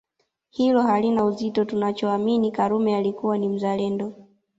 Hilo halina uzito tunachoamini Karume alikuwa ni mzalendo